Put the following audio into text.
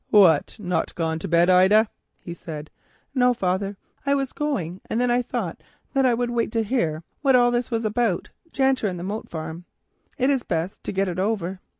"What, not gone to bed, Ida?" he said. "No, father, I was going, and then I thought that I would wait to hear what all this is about Janter and the Moat Farm. It is best to get it over."